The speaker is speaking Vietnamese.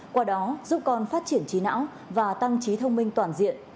qua đó giúp con phát triển trí não và tăng trí thông minh toàn diện